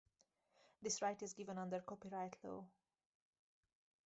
This right is given under copyright law.